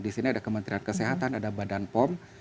di sini ada kementerian kesehatan ada badan pom